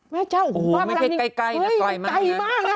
แม่เจ้าว่าอะไรอย่างนี้เฮ่ยใกล้มากนะโอ้โฮไม่ได้ใกล้มาก